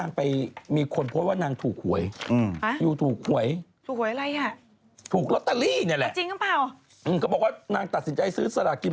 ยังไม่ได้ทำงานยังเรียนหนังสืออยู่เลย